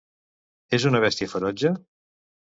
És una bèstia ferotge?